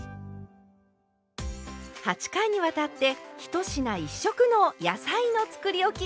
８回にわたって「１品１色の野菜のつくりおき」